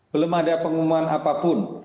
belum ada pengumuman apapun